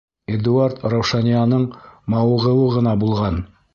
Эдуард Раушанияның мауығыуы ғына булған.